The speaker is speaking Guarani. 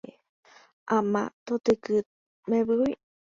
ama totyky mbeguemi